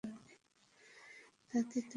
দাদী, তুমি আসলেই পাগল।